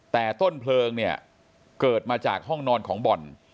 แต่ต้นเพลิงเนี่ยเกิดมาจากห้องนอนของบ่อน